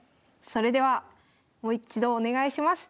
それではもう一度お願いします。